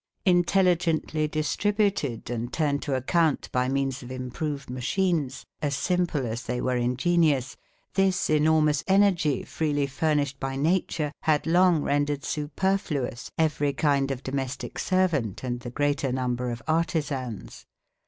Intelligently distributed and turned to account by means of improved machines, as simple as they were ingenious, this enormous energy freely furnished by nature had long rendered superfluous every kind of domestic servant and the greater number of artisans.